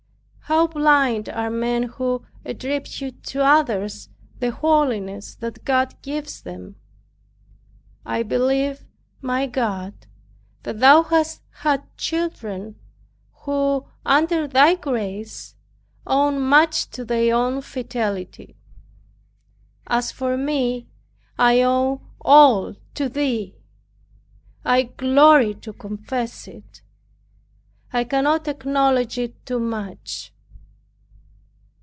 How blind are men who attribute to others the holiness that God gives them! I believe, my God, that thou hast had children, who under thy grace, owed much to their own fidelity. As for me, I owe all to Thee; I glory to confess it; I cannot acknowledge it too much.